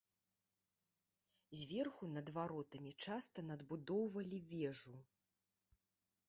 Зверху над варотамі часта надбудоўвалі вежу.